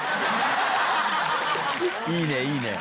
いいねいいね。